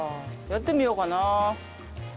やってみようかな。